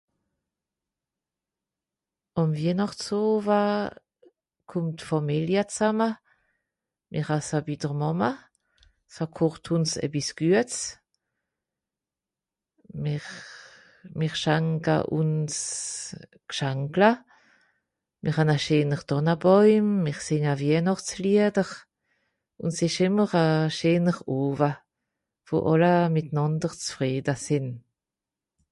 Àm Wienàchtsowa kùmmt d'Fàmìlia zama. Mìr assa bi d'r Màma. Sa kocht ùns a bisgüets. Mìr... mìr schanka ùns gschankla. Mìr han a scheener Dànnabauim, mìr sìnga Wienàchtsliader, un 's ìsch ìmmer a scheener Owa, wo àlla mìtnànder zfrieda sìn.